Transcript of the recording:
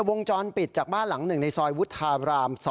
วงจรปิดจากบ้านหลังหนึ่งในซอยวุฒาบราม๒